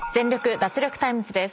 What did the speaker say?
脱力タイムズ』です。